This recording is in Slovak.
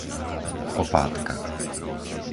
Opátka